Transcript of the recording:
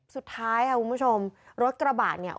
สุดท้ายค่ะคุณผู้ชมรถกระบะเนี่ย